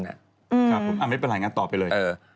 ไม่เป็นไรงั้นต่อไปเลย